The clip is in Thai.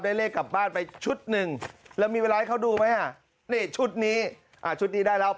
เลขกลับบ้านไปชุดหนึ่งแล้วมีเวลาให้เขาดูไหมอ่ะนี่ชุดนี้อ่าชุดนี้ได้แล้ว